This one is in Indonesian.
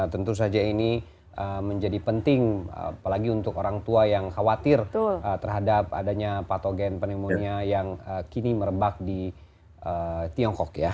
tentu saja ini menjadi penting apalagi untuk orang tua yang khawatir terhadap adanya patogen pneumonia yang kini merebak di tiongkok ya